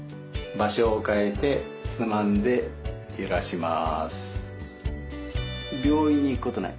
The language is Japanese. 場所を変えてつまんでゆらします。